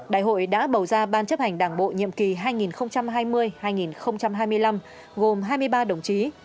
đại hội đã bầu ra ban chấp hành đảng bộ nhiệm kỳ hai nghìn hai mươi hai nghìn hai mươi năm gồm hai mươi ba đồng chí